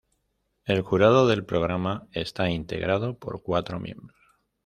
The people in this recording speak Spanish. El jurado del programa está integrado por cuatro miembros.